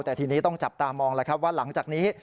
แต่ทีนี้ต้องจับตามองแล้วครับว่าหลังจากนี้